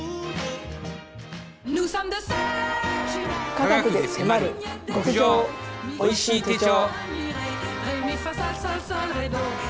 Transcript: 「科学でせまる極上おいしい手帖」。